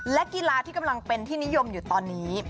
และกีฬาที่กำลังเป็นที่นิยมอยู่ตอนนี้